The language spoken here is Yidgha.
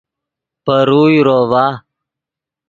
پے روئے روڤا